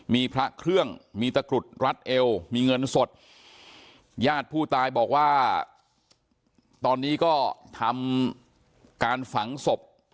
มีพระเครื่องมีตะกรุดรัดเอวมีเงินสดญาติผู้ตายบอกว่าตอนนี้ก็ทำการฝังศพ